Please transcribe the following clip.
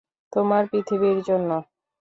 তোমার পৃথিবীর জন্য!